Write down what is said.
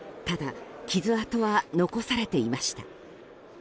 ただ、傷痕は残されていました。